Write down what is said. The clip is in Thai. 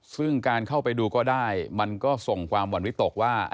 ซึ่งการเข้าไปดูก็ได้มันก็ส่งความหวั่นวิตกว่า